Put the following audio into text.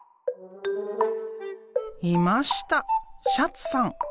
いましたシャツさん。